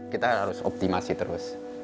kita harus optimasi terus